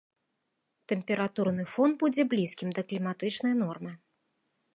Тэмпературны фон будзе блізкім да кліматычнай нормы.